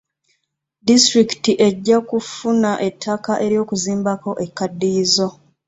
Distulikiti ejja kufuna ettaka ery'okuzimbako ekkaddiyizo.